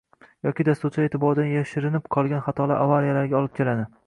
yoki dasturchilar e’tiboridan yashirin qolgan xatolar avariyalarga olib keladi